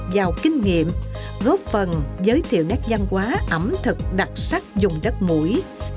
giàu kinh nghiệm góp phần giới thiệu nét văn hóa ẩm thực đặc sắc dùng đất mũi